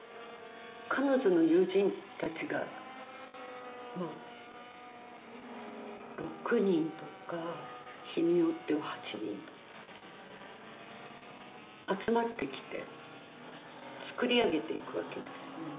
彼女の友人たちがまあ６人とか日によっては８人とか集まってきて作り上げていくわけですね。